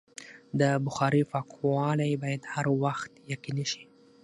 د بخارۍ پاکوالی باید هر وخت یقیني شي.